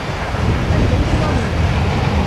الْبَيْتُ نَظِيفٌ.